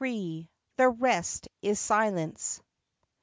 THE REST IS SILENCE.'